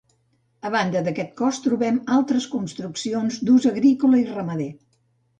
A banda d'aquest cos, trobem altres construccions d'ús agrícola i ramader.